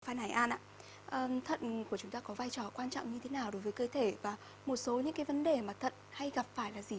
phan hải an thận của chúng ta có vai trò quan trọng như thế nào đối với cơ thể và một số những cái vấn đề mà thận hay gặp phải là gì